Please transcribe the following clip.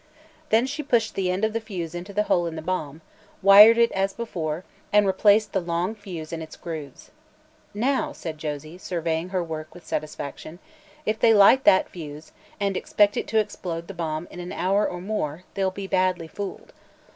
Then she pushed the end of the fuse into the hole in the bomb, wired it as before, and replaced the long fuse in its grooves. "Now," said Josie, surveying her work with satisfaction, "if they light that fuse, and expect it to explode the bomb in an hour or more, they'll be badly fooled.